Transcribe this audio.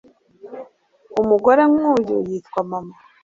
umugore nkuyu yitwa mama